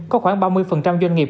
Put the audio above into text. có khoảng ba mươi doanh nghiệp